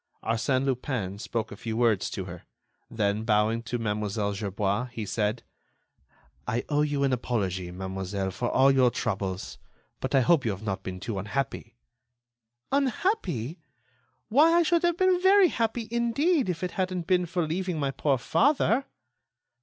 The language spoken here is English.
Arsène Lupin spoke a few words to her; then, bowing to Mlle. Gerbois, he said: "I owe you an apology, mademoiselle, for all your troubles, but I hope you have not been too unhappy—" "Unhappy! Why, I should have been very happy, indeed, if it hadn't been for leaving my poor father."